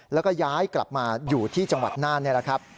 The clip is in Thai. แล้วก็ย้ายกลับมาอยู่ที่จังหวัดน่านนี่แหละครับ